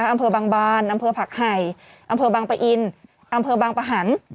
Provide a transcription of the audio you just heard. อำเภอบางบานอำเภอผักไห่อำเภอบางปะอินอำเภอบางปะหัน